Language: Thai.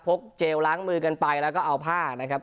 เจลล้างมือกันไปแล้วก็เอาผ้านะครับ